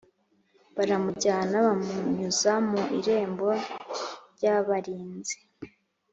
Baramujyana bamunyuza mu irembo u ry’abarinzi